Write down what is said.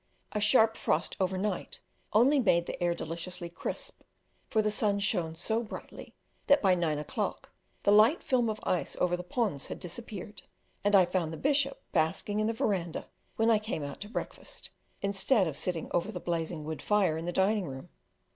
A sharp frost over night only made the air deliciously crisp, for the sun shone so brightly, that by nine o'clock the light film of ice over the ponds had disappeared, and I found the Bishop basking in the verandah when I came out to breakfast, instead of sitting over the blazing wood fire in the dining room.